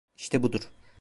İşte budur.